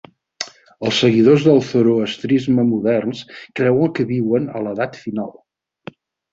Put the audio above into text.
Els seguidors del zoroastrisme moderns creuen que viuen a l'edat final.